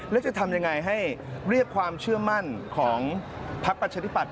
แล้วจะทำยังไงให้เรียกความเชื่อมั่นของพักประชาธิปัต